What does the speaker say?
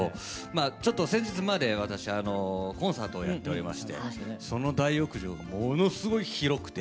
ちょっと先日まで私コンサートをやっておりましてその大浴場がものすごい広くて。